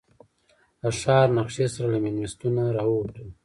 له ښار نقشې سره له مېلمستونه راووتلو.